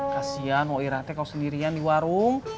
kasian kok irate kau sendirian di warung